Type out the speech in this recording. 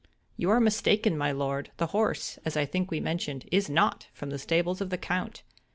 "You are mistaken, my lord; the horse, as I think we mentioned, is not from the stables of the Count.